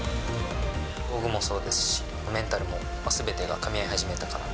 道具もそうですし、メンタルも、すべてがかみ合い始めたかなと。